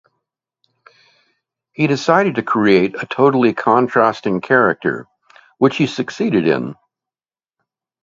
He decided to create a totally contrasting character, which he succeeded in.